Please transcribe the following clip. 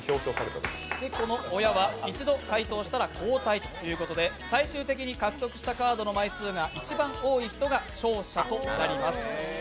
親は一度回答したら交代ということで、最終的に獲得したカードの枚数が一番多い人が勝者となります。